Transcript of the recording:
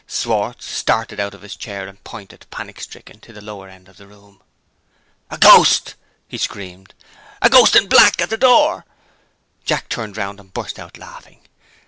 Schwartz started out of his chair, and pointed, panic stricken, to the lower end of the room. "A ghost!" he screamed. "A ghost in black, at the door!" Jack looked round, and burst out laughing.